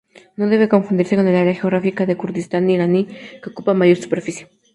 No debe confundirse con el área geográfica del Kurdistán Iraní, que ocupa mayor superficie.